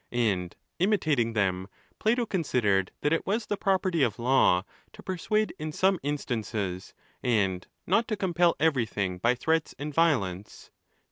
And imitating them, Plato considered that it was the pro perty of law, to persuade in some instances, and not to compel everything by threats and violence.